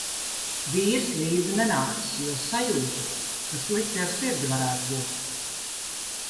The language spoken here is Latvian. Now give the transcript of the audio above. Vīrs līdzi nenācis, jo sajūta, ka slikti ar sirdi varētu būt.